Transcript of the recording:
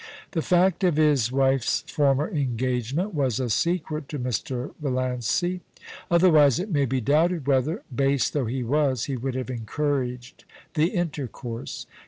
The fact of his wife's former engagement was a secret to Mr. Valiancy ; otherwise it may be doubted whether, base though he was, he would have encouraged the intercourse.